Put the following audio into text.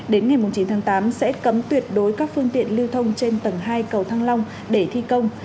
đến ngày chín tháng tám sẽ cấm tuyệt đối các phương tiện lưu thông trên tầng hai cầu thăng long để thi công